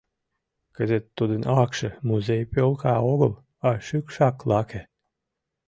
Кызыт тудын акше музей пӧлка огыл, а шӱкшак лаке.